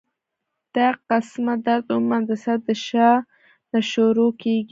دا قسمه درد عموماً د سر د شا نه شورو کيږي